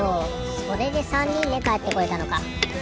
それで３にんでかえってこれたのか。